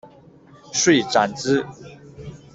遂斩之。